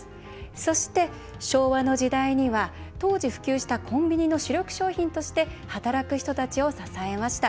そして昭和の時代には当時、普及したコンビニの主力商品として働く人たちを支えました。